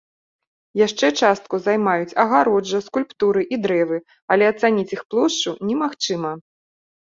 Яшчэ частку займаюць агароджа, скульптуры і дрэвы, але ацаніць іх плошчу немагчыма.